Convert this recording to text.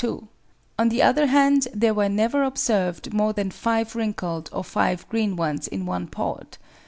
2); on the other hand there were never observed more than five wrinkled or five green ones in one pod.